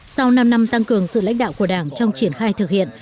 sau năm năm tăng cường sự lãnh đạo của đảng trong triển khai thực hiện